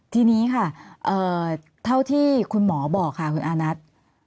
ทีนี้ค่ะเท่าที่คุณหมอบอกค่ะคุณอานัท